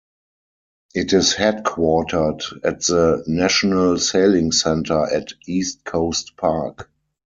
It is headquartered at the National Sailing Centre at East Coast Park.